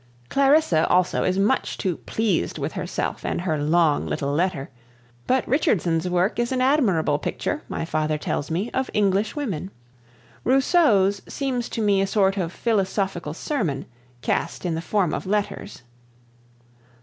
Clarissa also is much too pleased with herself and her long, little letter; but Richardson's work is an admirable picture, my father tells me, of English women. Rousseau's seems to me a sort of philosophical sermon, cast in the form of letters.